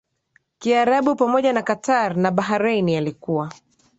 Kiarabu pamoja na Qatar na Bahrain yalikuwa